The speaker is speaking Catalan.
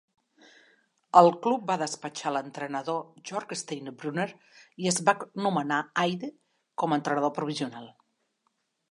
El club va despatxar l'entrenador Jorg Stienebrunner i es va nomenar Aide com a entrenador provisional.